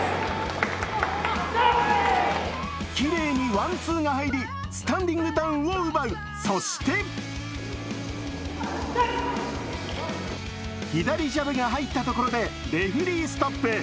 きれいにワンツーが入りスタンディングダウンを奪うそして左ジャブが入ったところでレフェリーストップ。